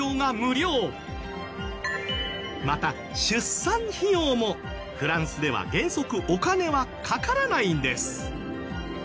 また出産費用もフランスでは原則お金はかからないんです。